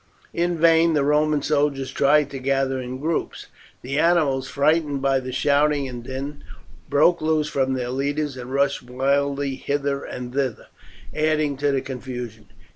In vain the Roman soldiers tried to gather in groups. The animals, frightened by the shouting and din, broke loose from their leaders and rushed wildly hither and thither, adding to the confusion.